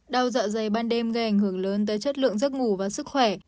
đau dạ dày ban đêm gây ảnh hưởng lớn tới chất lượng giấc ngủ và sức khỏe